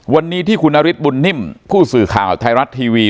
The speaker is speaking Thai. วันนี้ที่คุณนฤทธิบุญนิ่มผู้สื่อข่าวไทยรัฐทีวี